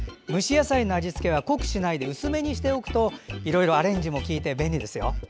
蒸し野菜の味付けは濃くしないで薄めにしておくといろいろアレンジも効いて便利ですよ。